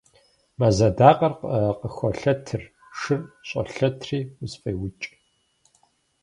Мэз адакъэр къыхолъэтыр, шыр щӏолъэтри усфӏеукӏ.